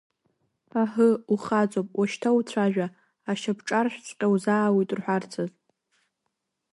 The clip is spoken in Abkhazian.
Аҳы, ухаҵоуп, уажәшьҭа уцәажәа, ашьапҿаршәҵәҟьа узаауит рҳәарцаз…